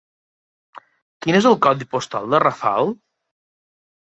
Quin és el codi postal de Rafal?